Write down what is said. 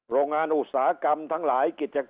โรงงานอุตสาหกรรมทั้งหลายกิจกรรม